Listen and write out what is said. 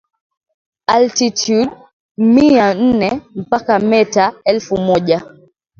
altitude mia nne mpaka meta elfu moja